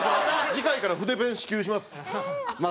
次回から筆ペン支給します。